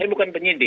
kita bukan penyidik